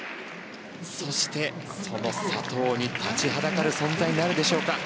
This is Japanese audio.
そして、その佐藤に立ちはだかる存在になるでしょうか。